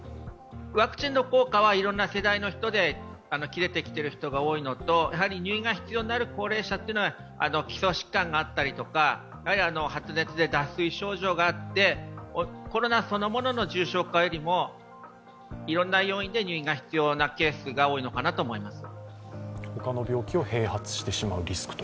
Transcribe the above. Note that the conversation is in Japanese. ワクチンの効果はいろんな世代の人で切れてきている人が多いのと入院が必要になる高齢者というのは基礎疾患があったりとか発熱で脱水症状があって、コロナそのものの重症化よりもいろんな要因で入院が必要なケースが多いのかなと思います。